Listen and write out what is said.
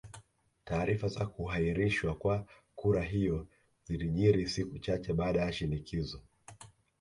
Taarifa za kuahirishwa kwa kura hiyo zilijiri siku chache baada ya shinikizo